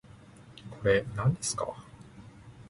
これ、なんですか